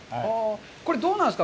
これ、どうなんですか。